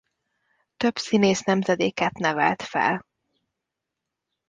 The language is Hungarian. Több színész-nemzedéket nevelt fel.